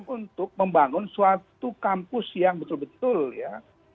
untuk membangun suatu kampus yang betul betul ya